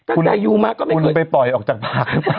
คุณไปปล่อยออกจากภาคหรือเปล่า